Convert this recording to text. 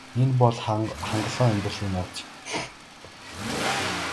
Энэ бол хангалуун амьдралын нууц юм.